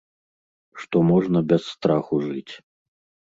Што можна без страху жыць.